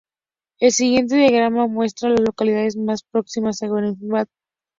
El siguiente diagrama muestra a las localidades más próximas a West Gate.